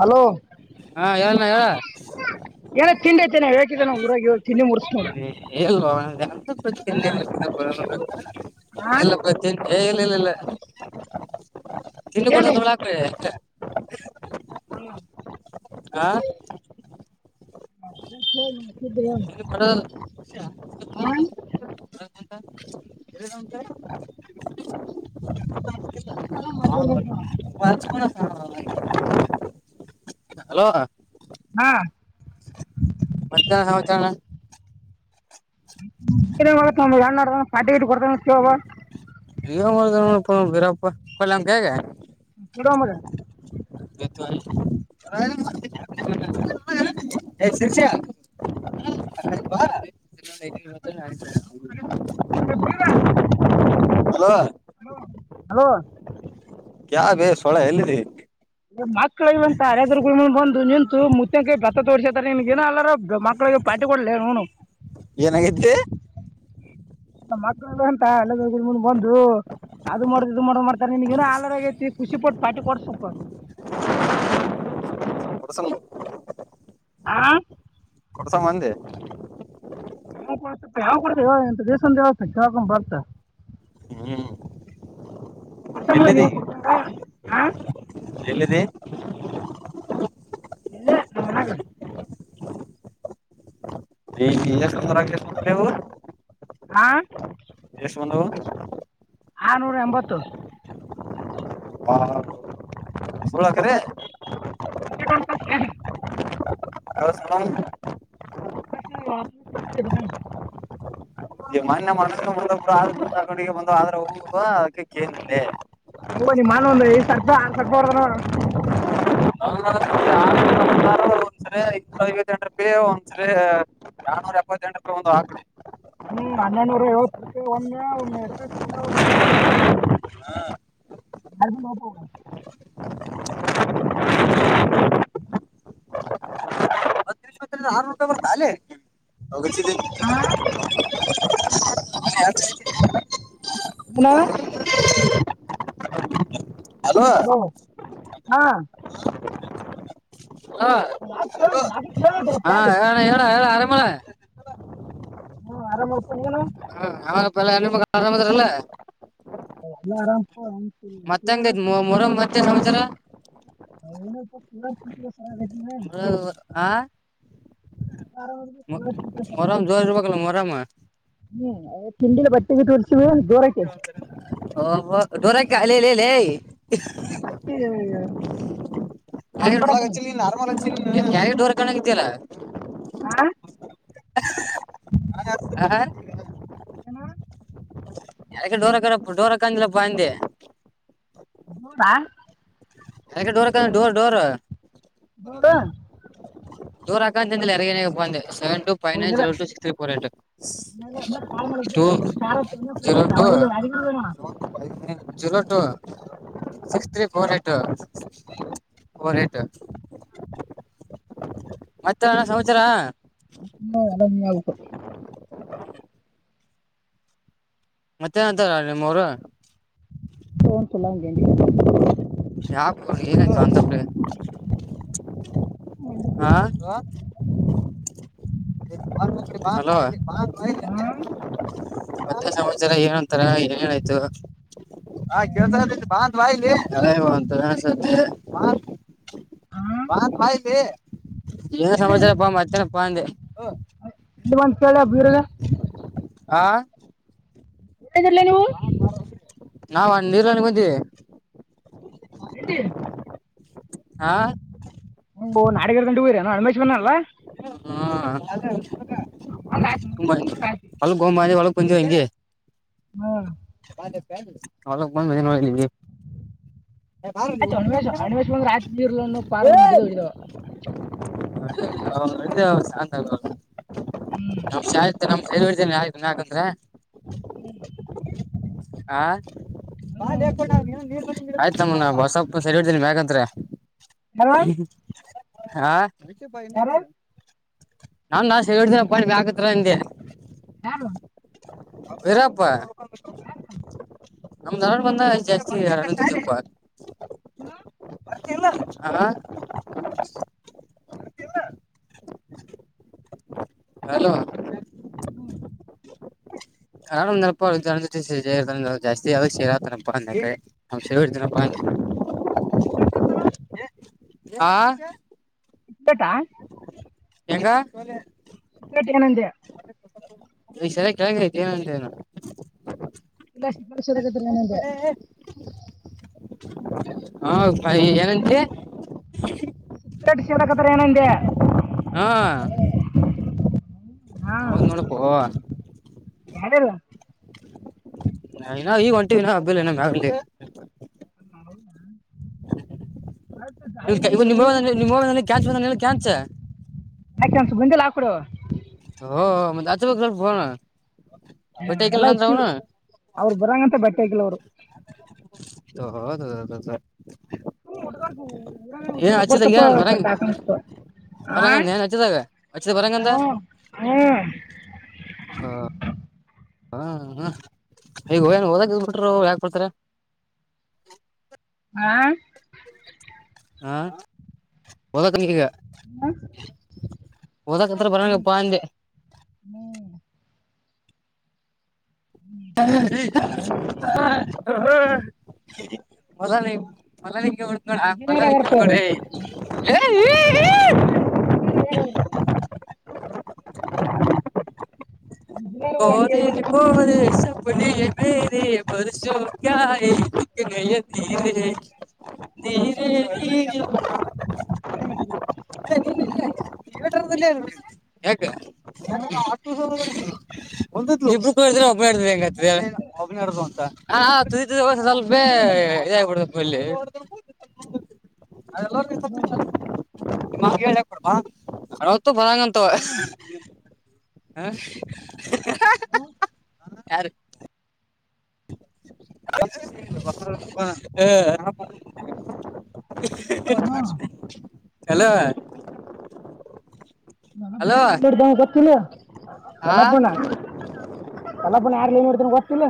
Hello ಹಾ ಹೇಳಣ್ಣ ಹೇಳ ಏನ ತಿಂಡಿ ತೇನೆ ಹೇಕಿದ್ದ ನ ಊರಾಗಿ ತಿಂಡಿ ಮುರ್ಸ್ಕೊಂಡು ಹಾ ಇಲ್ಲ ಬತೀನ್ ಏ ಇಲ್ಲ ಇಲ್ಲ ಇಲ್ಲ ತಿಲು ಏನ್ ಕೊಡದ ಐತಿ? ಒಳಾಕ್ಷ್ಟ ಹ್ಮ ಆಾ ಹ ಡ ರಂಟ ರ ಗಂಟೆ ಹ ಹಲೋ ಹಾ ಮಧ್ಯಾಹ್ನ ಹೌದಣ ತ ಪಾರ್ಟಿಟಿ ಕೊತಬ ಕೊಲ್ಲಮ್ಗೆೇಗ ಕಡ ಮರ [unintelligible] ಶರ್ ಹ ಬ್ಯರ ಹಲೋ ಹಲೋ ಹಲೋ ಯಾವೇ ಸೊಳ ಎಲ್ಲಿದೆ ಮಕ್ಳಿಗೆಂತ ಅರಾದರು ಬಂದು ನಿಂತು ಮುುತ್ತಂಕ ಭತ್ತ ತೋರ್ಸತಾರೆ ನಿನ್ಗ ಏನ ಅಲ್ಲಾರ ಮಕ್ಳ ಪಟ್ಟಿ ಕೊೂಡಲ್ಲ ನನು ಏನಾಗೈತಿ ಮಕ್ಳಲ್ಲ ಅಂತ ಎಲ್ಲ ಮುಂದ ಬಂದು ಅದು್ ಮಾಡ್ ಇದು ಮಾಡ್ ಮಾಡ್ತಾರೆ ನಿಮಗನ ಆಲರಾಗೈತಿ ಖುಷಿಪಟ್ಟು ಪಾಟಿ ಕೊಡ್ ಸ್ವಲ್ಪ [inaudible] ಪ್ರಸಲ ಆ ಕೊಡ್ಸ ಮಂದೆ. ಯಾವಾಗ ಬರ್ತಯೋ [unintelligible] ಹ [unintelligible] [unintelligible] ಕೊಡ್ತಾರ ಹ ಎಲ್ಲಿದೆ ಇಲ್ಲ ನಮ್ಮನಾಗ [unintelligible] ಇವು ಆಾ ಎಷ್ಟು ಬಂದವು ಆನೂರ ಎಂಬತ್ತು ಬ ಸಳಕೆರೆ ಕ್ರಿಕೆಟ್ [unintelligible] [unintelligible] [unintelligible] [unintelligible] ಬಂದ ಆದ್ರೆ ಒ ಅದಕ್ಕೆ ಕೇನೆ. ಹೋ ನಿಮಮ್ಮ ಒಂದು ಐದು ಸಾವಿರ ರೂಪಾಯಿ ಆರ್ ಸಾವಿರ ರೂಪಾಯಿ ಹೊರ್ದನ ನೋಡ. [unintelligible] ಒಂದ್ಸರಿ ಐನೂರ ಐವತ್ತ ಎಂಟ ರೂಪಿ ಒಂದ್ಸರಿ ನನೂರ ಎಪ್ಪತ್ತೆಂಟ ರೂಪಾಯಿ ಒಂದು ಹಾಕರಿ. ಹ್ಮ್ ಹನ್ನೆನೂರ ಐವತ್ತು [unintelligible] ಒಮ್ಮೆ ಒಮ್ಮೆ ಎಷ್ಟು ವರ್ಷ ಬಂದವಾಗ. [unintelligible] ಹೌಚ್ಚ ದಿನ. ಹಲೋ ಹಲೋ ಹಾ ಹಾ [unintelligible] ಹಾ ಹೇಳ ಹೇಳ ಹೇಳ ಅರಮ ಅಣ್ಣ ಹಾ ಆರಾಮಪ್ಪ ನೀನು ಅವಾಗ ಪಲ್ ಹೆಣಮಗ್ ಆರಾಮದರಲ. ಏಲ್ಲ ಆರಾಮ್. ಮತ್ತೆ ಎನ್ಗೈತ್ಪ ಮತ್ತೆ ಸಂಸರ. [unintelligible] ಹಾ ಆರ ಹ [unintelligible] ಮರಾಮ್ ಜೋರ್ ಇರ್ಬೇಕಲ್ಲ ಮರಾಮ ಹ್ಮ ತಿಂಡಿ ಬಟ್ಟೆೆಗೆ ತುರ್ಸ ದೂರಕ್ಕೆ. ಓ ಹೊ ಡೂರಕ ಲೆ ಲೆ ಲೆ. ಹ್ಮ ಬಸ್ [unintelligible] ಕಿದಲ್ಲಾ ಹಾ ಹ ಹ್ಮ ಯಾಕ ಡೋರ ಕ ಡೋರ ಕಂದಿಲ್ಲಪ್ಪ ಅಂದೆ. ನೋಡ ಎ ಡೋರ ಕ ಡೋರ್ ಡೋರ್ ಹೌದ ದೂರ್ ಹಾಕಂತಿಂದಲ ಯರಗೇನೇ ಬಂದೆ. ಸೆವೆನ್ ಟೂ ಫೈವ್ ನೈನ್ ಹೋಗಿಲ್ಲ zero two six, three four eight ಮತ್ತೆ ಕಾಲ್ ಟೂ ಮಾಡಿದ್ದಿಲ್ಲ ಮತ್ತೆ ಖಾರ ಚೆನ್ನಾಗಿ ಜೀರೋ ಕೊಟ್ಟಿಲ್ಲ ಅವ ಟೂ ಎಲ್ಲಿ ಯಾರಿಗೂ ಶ ಪ [inaudible] zero two six, three four eight, four eight, [inaudible] ಮತ್ತೆ ಎನಣ್ಣಸಮಾಚಾರ. ಹ್ಮ [inaudible] ಅರಾಮ ಆಗ ಕೊ ಮತ್ತೆ ಅಂತಾರ ನಿಮ್ಮ ಊರು. ಸಲ್ಲಂ ಗಗೆಗೆ [inaudible] ಯಾಕೋ ಏನಾಯ್ತು ಅಂತಪರಿ, ಹಾ, ಹಲೋ,, ಮತ್ತೆ ಸಮಾಚಾರ ಏನ್ ಅಂತಾರ ಏನ್ಏನಾಯ್ತು. ಹಾ ಕೇಳ್ತ ಮಾಾತ್ ಬಾ ಇಲ್ಲಿ ಬಲ್ಲಿ ಏನ ಎಲ್ಲಿ ಸಮಾಚಾರ ಪ ಅತ್ತನಪ್ಪಾಂದೆ. ಇ ಒಂದ ಕೇಳ ಬೀರಳ. ಹಾ, ತ್ತದಲ್ಲ ನೀವು [inaudible] ನಾವಾ ಹ ನೀರಾಣಿಗೆ ಬಂದೀವಿ. ಎಲ್ಲಿ ಹಾ, ಹ ನಾಡಗ ಗಂಡ ಹುರ [unintelligible] ಹಣಮೇಶ್ ಬಂದನಲ್ಲ. ಹಾ, ಬಂದ್ ಆಯ್ತು ತುಂಬಾ ನೀವು, ಬಂದ್ ಆಯ್ತು [inaudible] ಹೊ ಗಂಬಿ ಹೊಳ ಕೊಂಚ ಇಗೆ [inaudible] ಹಾ, ಅವಲ ಮನ್ ಮಜ ಮಾಡಲಿಗೆ [unintelligible] ಹ ಭಾವ ಆಯ್ತು ಅಣ್ಮೇಶ್ ಯಂಂತ ಅಣ್ಮೇಶ್ ಬಂದ್ರೆ ಆಯ್ತು ನೀರ್ಲನ್ನು ಹೇಳ ಪಾರ್ಲನ್ನು ಹಿಡಿದು ಹಿಡಿದವ [unintelligible] ಅವಂತ ನ [inaudible] ನ ಹತಿು ಯಾಕಂದ್ರೆ [unintelligible] ಹ ಹ್ಮ್ ನೀ [inaudible] ಮ್ಮ ಬಸಪ್ಪ ಸೆರಿ ಹಡ್ತನಿ ಮ್ಯಾಂತ ಯಾರು ಹ [unintelligible] ಯಾರು ನಾ ದಾಷ್ಟ ಹಳ್ಿನ ಪಿ ಬ ಆಾಕತ್ರ ನಿಂದ [unintelligible] ನ [inaudible] ಬಿರಪ್ಪ, ನಮ್ ನನಡ್ ಬಂದ ಜಾಸ್ತಿವಲ್ಪ [unintelligible] ನೀನು? ಇಲ್ಲ. ಆ ಹಲೋ, [inaudible] ಹಾ [unintelligible] ಜಾಸ್ತಿ ಆದದ ಸೇರಾತನಪ್ಪ ಅಂದ್ರೆನ ಅ ನಕ್ಷತ್ರರ [inaudible] ಹಾ, ಟಾ [inaudible] ಹೆಂಗಾ, ಚಕೇಟಿ ಆನಂದ್ಯ [unintelligible] ಇಷಾರಿ ಕೆಳಗಿಳಿತೇನಂದ., ಎಲ್ಲ ಪರಿಶೋದಕತನೆನಂದೆ. ಹಾ, ಏನಂತಿ ಕಟ್ಟಿಸಿಡಕತ್ಯರೆನಂದ. ಹಾ ಹೌದ್ ನೋಡೋಪೊ,, ಯ್ದಲ್ಲ [unintelligible] ನಾ ಈಗ ಹೊಂಟಿವ ನ ಹಬ್ಬಿಲ್ಲ ನಮ ಆಲಿ ಹ [inaudible] ಕ್ಯಾಂಚ್, ಕ್ಯಾಂಚ್ ಆಾಕಂದಸ ಗುಂಡಿಲ್ ಹಾಕೊಡು ಹ ಮೆ ಅದು ಬ ಬೋಣ ಹ ಎಲ್ಲಾ ಹೆಚ್ಚು ಅವರು ಬರಂಗಂತ ಬಟ್ಟೆ ಆಕಲ್ ಅವರು ಹ ಹೌದುೌದದದ ಹ ಉಕ್ ಏನ್ ಹಚ್ಚಿದಾಗ ಬರ್ತಪ್ಪ ಏನ್ ಬರಂಗ ಸ್ವಲ್ಾಕ ಆ ಬರಂಗಂದ ಏನ್ ಹಚ್ಚಿದಾಗ ಹಚ್ಚಿದ ಬರಂಗಂದ ಹಓ ಹ್ಮ ಹ್ಮ ಹ್ಮ್ ಈಗ ಹನ್ ಹೋದಕ್ಕೆ ಬಿಟರು ಯಾಕ ಬಿಡ್ತಾರ ಆಾ ಹಾ ದ ಕನಗ ಹ್ಞೂ ಓದ ಕತ್ರ ಬರಂಗಪ್ಪ ಅಂದಾ,, ಹ [inaudible] ಮಲ್ಲ ನೀ ಮಲ್ಲ ನೀ [unintelligible] ಮಲ್ಲ ಇಂಜಿನಿಯರ್ ಲ ಆಗ್ಯಾರಪ್ಪ ಅವರು [unintelligible] [inaudible] ಇ [inaudible] ಇಂಜಿನಿಯರ್ಗಳು ಗರೆರಿೋರೆ ಸ ಮೇರೆ ಬರ್ಸೋ ಕಯ ಚಕ್ಕ ಗಯ ತೀರೆ ದಹ ಹ ಿಯೇಟರ್ಲ್ಲ ಆಟ ಒಂದು ್ರೆ ಒಬ್ಬಡ ಹೆಂಗ ಒಬ್ಬಡ ಅಂತುದ ಸ್ವಪೇ ಇದಬಡ ಅಲ್ಲೆ ಹ್ಞೂ [unintelligible] ಬಂತಾವ ಹ ಹ ಯಾರ ಹ ನೋಡ್ದ ಹಲೋ ಹಲೋ ಗತ್ತನ ಆ ಎಲ್ಲ ಬಣ ಕಲ ಬಣ ಯಾರ್ಲಿ ಏನ್ರ್ತನ ಗೊತ್ತತಿಿಲ್ಲ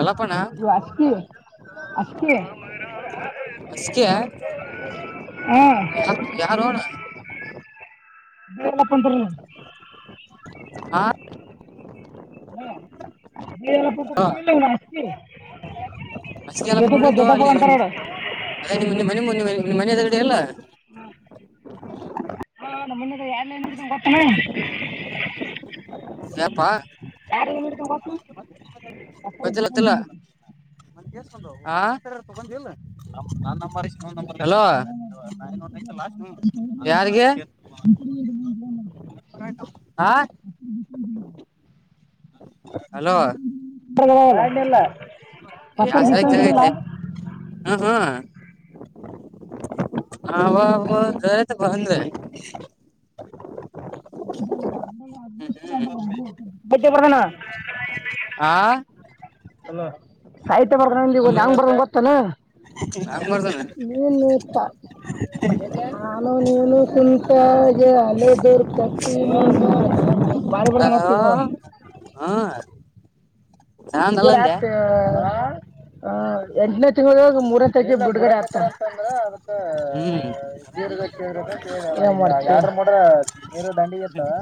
ಎಲ್ಲಪ್ಪಣ ಇ ಅಷ್ಟಕ ಅಷ್ಟಕ ಅಸಿಕೆ ಹಾ ಯ ಯಾರಾರಣ ಬಪ್ಪಂತ ಹ ಆ, ಅಡ್ಡಿತಿ ಅಸ್ಕೆ ಎಲ್ಲಪ್ಪ ಜೊತೆಕ ಜೊತೆಕ ಅಂಂತರರ ನಿ ಮನೆ ನಿ ಮನೆ ಎದಗಡೆ ಎಲ್ಲ ಹ್ಮ ಹ ನನ್ನ ಎಾರನ್ಡ್ದ ಗೊತ್ತನ ಕಪಾ ಯಾರ್ಲಿ ನೋಡ್ತಾನ ಗೊತ್ತು ಬತ್ತಲ್ಲತ್ತಲ್ಲ ಮಂದ ಸರಿ ತಗಂದ ಎ ನ ಲೋ ಯಾರಿಗೆ ಆಾ ಗ್ಣಲ್ಲ ೈತೆ ಹ ಹಾ ಹ ರ ತ ಬಂದ ಧ ಹಲೋ ಆ [unintelligible] ಸಹಿತ್ಯ ಬರ್ಧನ ಅಲ್ಲ ಹೆಂಗ್ ಬರ್ಧನ ಗೊತ್ತಾನ ಹಂಗ್ ಬರ್ತಾನೆ ಏನ್ ಹೇಳ್ತಾ ನಾನು ನೀನು ಕುಂತಾಗೆ ಅಲೆ ದೂರ್ ಕಟ್ಟಿ ಮುಂದ ಬಾರಿ ಬರ್ತ ಹ್ತಗ ಆ ಹಾ ನಾನ್ ಅಲ್ಲಂದೆ ಎಂಟನೇ ತಿಂಗಳ ಮೂರನೇ ತಕ ಬಿುಡ್ಗರೆತ್ ಅಂದ್ರ ಅದಪ ಹ್ಮ್ ಜೀದ್ರ [inaudible] ನೀರು ತಣ್ಣಗಿರುತ್ತವಾ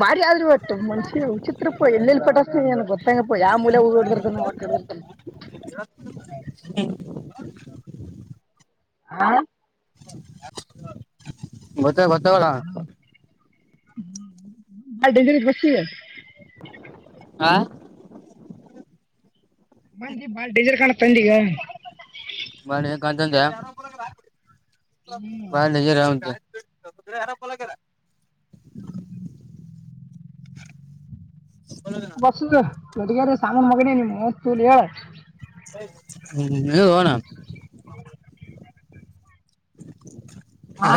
ಬಾರಿ ಆದ್ರೂ ಮನುಷ್ಯ ವಿಚಿತ್ರ [unintelligible] ಪಟಾಯ್ಸಿನಿ ಗೊತ್ತೇನಪ್ಪಾ ಹಿಡ್ದಿರ್ತನೆ ಯಾವ ಮೂಲೆಗೆ ಹೋದರು ಹಿಡಿದಿರ್ತಾನೆ ಹ್ಮ್ ಹಾ ಗೊತ್ತ ಗೊತ್ತಾಗಳ ಅಡ ಬಸಿಗ ಆ ಬಂದಿ ಬಾಳ ಡೇಂಜರಸ್ ಕಾಣತ್ಂದ ಈಗ ಕಂತಂತ ಬಜರಟ [unintelligible] ುದು್ರ ಹಾರ ಪಲಕಲ್ಲ [inaudible] ಹ್ಮ [unintelligible] [inaudible] ಬಸ್ ಅಧಗಾರ ಸಾಮನ್ ಮಗಣ ನೀ ಮಸ್ ತು ಲ [unintelligible] ಹ್ಮ್ ನಡಿ ಹೋಗೋಣ [inaudible]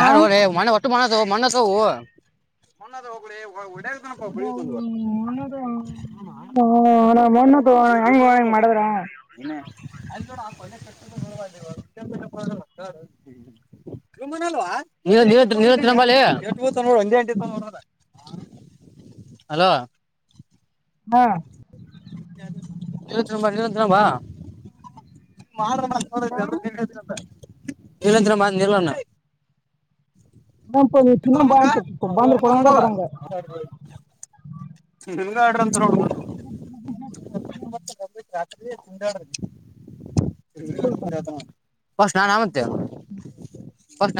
ಆ ಹೋಗಲೇ [unintelligible] ಹೌದೌದು [unintelligible] ಹ ತ ಹೆಂಗ ಹ ಹೆಂಗ ಜುಮ್ಮನಲ್ಲು ಮಾಡದ್ರ [unintelligible] [inaudible] ಲೂ ಒಂದಂಟೋ [unintelligible] ಹಲೋ ಹಾ ಇವತ್ತ ಇವತ್ತರಂಬ [unintelligible] ಮಾಡ ಮತ್ ಏನಂತ ನಿಲಂದ್ರ ನಿಲಣ [unintelligible] ನ ನೀ ಚಿನ್ನ ಬಂತ ಬಂದು ಕೊಡಂಗ ನೋಡುವ ಬಿಡಂಗ ಹ ಇಂಗಾ ಆದ್ರಂತೆ ನೋಡು [unintelligible] ಹ್ಮ [unintelligible] ಅ ತಿರುಗಾಡಿ ಬಿಡಂಗ [inaudible] ಫಸ್ಟ್ ನಾನು [unintelligible]